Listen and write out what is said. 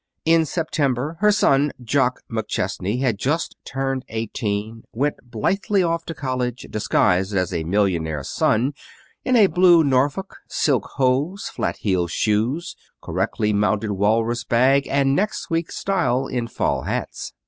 In September her son, Jock McChesney, just turned eighteen, went blithely off to college, disguised as a millionaire's son in a blue Norfolk, silk hose, flat heeled shoes, correctly mounted walrus bag, and next week's style in fall hats.